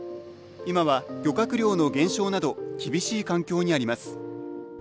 いまは漁獲量の減少など厳しい環境にあります。